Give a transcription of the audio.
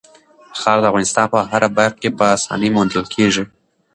خاوره د افغانستان په هره برخه کې په اسانۍ موندل کېږي.